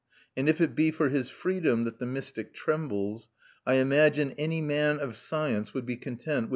And if it be for his freedom that the mystic trembles, I imagine any man of science would be content with M.